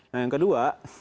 nah yang kedua